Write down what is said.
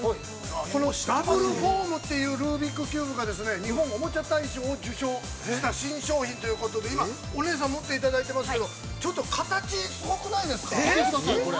このダブルフォームというルービックキューブが日本おもちゃ大賞を受賞した新商品ということで今、お姉さん、持っていただいてますけど、ちょっと形すごくないですか。